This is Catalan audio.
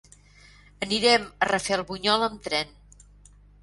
Anirem a Rafelbunyol amb tren.